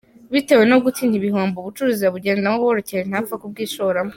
Bitewe no gutinya ibihombo, ubucuruzi abugendamo buhoro cyane, ntapfa kubwishoramo.